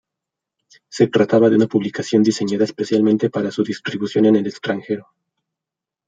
Se trataba de una publicación diseñada especialmente para su distribución en el extranjero.